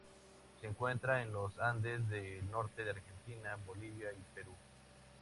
Se encuentra en los Andes del norte de Argentina, Bolivia y Perú.